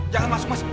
jangan masuk mas